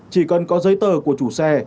chỉ cần có giấy tờ của chủ xe